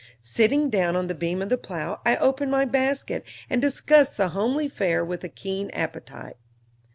Sitting down on the beam of the plow, I opened my basket and discussed the homely fare with a keen appetite.